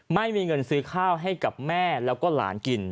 ไม่มีเงินซื้อข้าวให้กับแม่แล้วก็หลานกิน